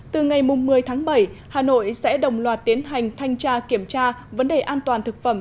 từ ngày một mươi tháng bảy hà nội sẽ đồng loạt tiến hành thanh tra kiểm tra vấn đề an toàn thực phẩm